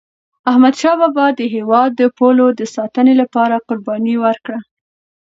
احمدشاه بابا د هیواد د پولو د ساتني لپاره قرباني ورکړه.